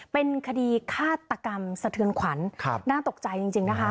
เป็นคดีฆาตกรรมสะเทือนขวัญน่าตกใจจริงนะคะ